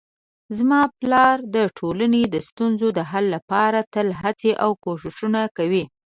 زما پلار د ټولنې د ستونزو د حل لپاره تل هڅې او کوښښونه کوي